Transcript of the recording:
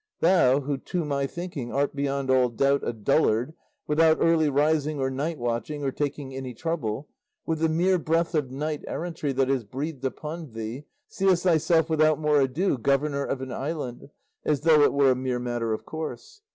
Thou, who, to my thinking, art beyond all doubt a dullard, without early rising or night watching or taking any trouble, with the mere breath of knight errantry that has breathed upon thee, seest thyself without more ado governor of an island, as though it were a mere matter of course.